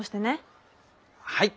はい。